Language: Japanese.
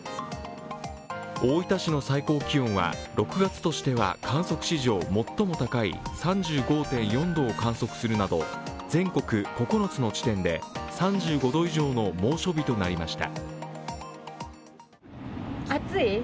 大分市の最高気温は、６月としては観測史上最も高い３５．４度を観測するなど全国９つの地点で３５度以上の猛暑日となりました。